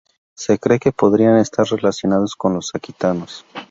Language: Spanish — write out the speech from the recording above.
Se cree que podrían estar relacionados con los aquitanos.